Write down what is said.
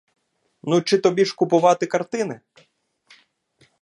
Ну чи тобі ж купувати картини?